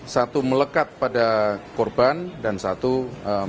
satu melekat pada korban dan satu korban